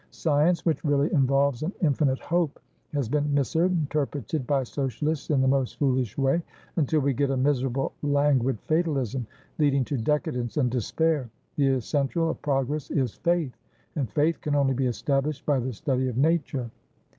Science, which really involves an infinite hope, has been misinterpreted by Socialists in the most foolish way, until we get a miserable languid fatalism, leading to decadence and despair. The essential of progress is Faith, and Faith can only be established by the study of Nature."